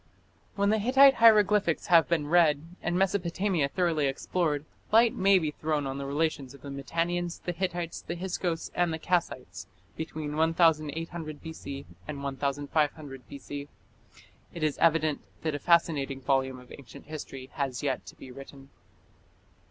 When the Hittite hieroglyphics have been read and Mesopotamia thoroughly explored, light may be thrown on the relations of the Mitannians, the Hittites, the Hyksos, and the Kassites between 1800 B.C. and 1500 B.C. It is evident that a fascinating volume of ancient history has yet to be written.